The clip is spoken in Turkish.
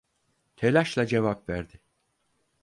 Telaşla cevap verdi.